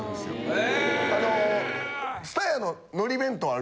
え。